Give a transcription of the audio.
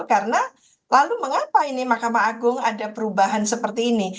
karena lalu mengapa ini mahkamah agung ada perubahan seperti ini